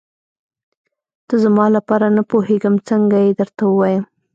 ته زما لپاره نه پوهېږم څنګه یې درته ووايم.